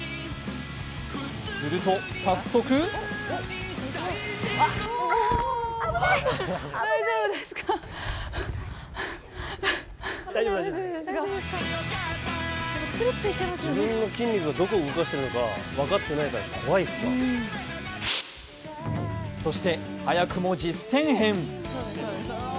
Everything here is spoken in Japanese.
すると早速そして、早くも実践編。